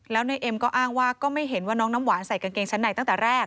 แล้วนายเอ็มก็อ้างว่าก็ไม่เห็นว่าน้องน้ำหวานใส่กางเกงชั้นในตั้งแต่แรก